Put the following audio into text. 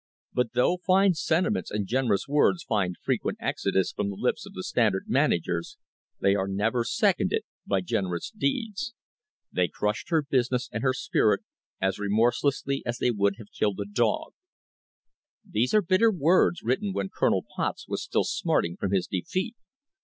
But though fine sentiments and generous words find frequent exodus from the lips of the Standard managers, they are never seconded STRENGTHENING THE FOUNDATIONS by generous deeds. They crushed her business and her spirit as remorselessly as they would have killed a dog." These are bitter words written when Colonel Potts was still smarting from his defeat.